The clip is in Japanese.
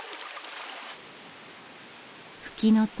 フキノトウ